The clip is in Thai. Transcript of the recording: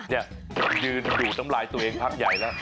เนี่ยผมยืนดูตำรายตัวเองพักใหญ่แล้ว